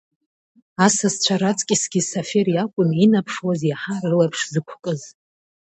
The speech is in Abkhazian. Асасцәа раҵкысгьы Сафер иакәын инаԥшуаз иаҳа рылаԥш зықәкыз.